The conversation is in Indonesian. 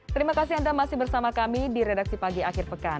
terima kasih anda masih bersama kami di redaksi pagi akhir pekan